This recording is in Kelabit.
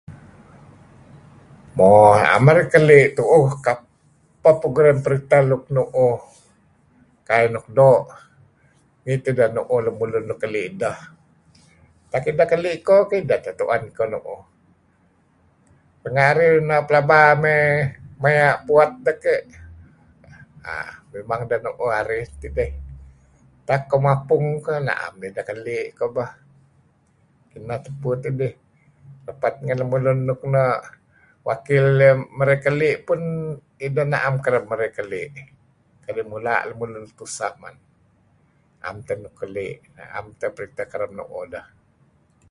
Mo, 'am arih keli' tu'uh kapeh program periteh luk nu'uh kai nuk doo'. Nih tidih nu'uh lemulun luk kekeli' ideh. Utak ideh keli' iko keh, ideh teh tu'en iko mu'uh. Renga' arih pelaba mey maya' puet dedih keh, 'ah memang ideh nu'uh arih, tak koh mapung lah a'am tideh keli' koh . Kineh tupu tidih, repet ngen lemulun luk wakil deh merey keli' pan a'am kereb merey keli' punideh na'em kereb merey keli' kadi' mula lun luk tuseh, 'am teh periteh kereb nu'uh deh.